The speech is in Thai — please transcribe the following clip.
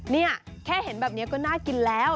นี่แค่เห็นแบบนี้ก็น่ากินแล้ว